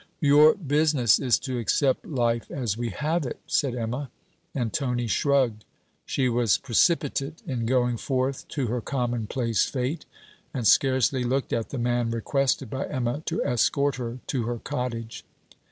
'Your business is to accept life as we have it,' said Emma; and Tony shrugged. She was precipitate in going forth to her commonplace fate, and scarcely looked at the man requested by Emma to escort her to her cottage.